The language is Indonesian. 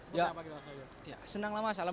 ada berhasil terbaik ya senang lama salam